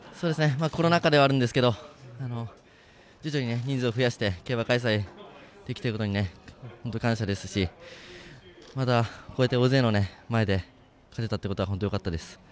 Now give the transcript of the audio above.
コロナ禍ではあるんですけど徐々に人数を増やして競馬、開催できていることに感謝ですしこうやって大勢の前で勝てたってことは本当よかったです。